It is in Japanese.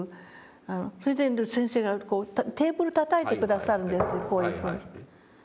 それで先生がこうテーブルたたいて下さるんですよこういうふうにして。